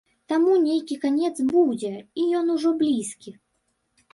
Таму нейкі канец будзе і ён ужо блізкі.